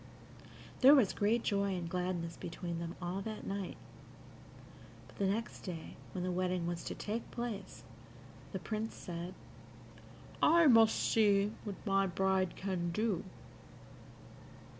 There was great joy and gladness between them all that night, but the next day, when the wedding was to take place, the Prince said, "I must see what my bride can do."